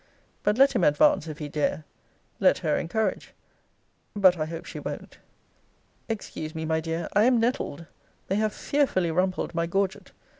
But let him advance if he dare let her encourage but I hope she won't. Excuse me, my dear. I am nettled. They have fearfully rumpled my gorget.